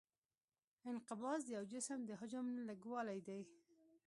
انقباض د یو جسم د حجم لږوالی دی.